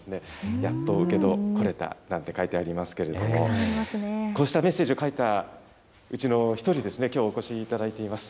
やっと請戸これた！なんて書いてありますけれども、こうしたメッセージを書いたうちの一人、きょうお越しいただいております。